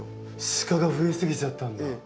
シカが増え過ぎちゃったんだ。